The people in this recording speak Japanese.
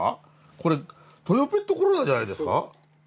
これトヨペットコロナじゃないですか？